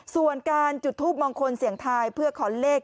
ส่วนการจุดทูปมงคลเสียงทายเพื่อขอเลข